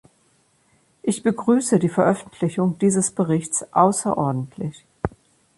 Ich begrüße die Veröffentlichung dieses Berichts außerordentlich.